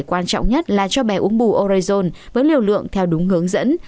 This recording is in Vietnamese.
quan trọng nhất là cho bé uống bù orezon với liều lượng theo đúng hướng dẫn